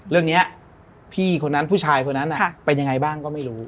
เรื่องนี้พี่คนนั้นผู้ชายคนนั้นเป็นยังไงบ้างก็ไม่รู้